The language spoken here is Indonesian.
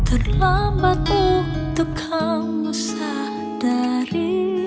untuk kamu sadari